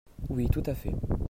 Oui, tout à fait.